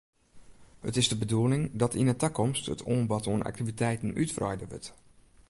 It is de bedoeling dat yn 'e takomst it oanbod oan aktiviteiten útwreide wurdt.